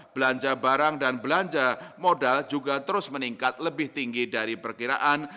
belanja barang dan belanja modal juga terus meningkat lebih tinggi dari perkiraan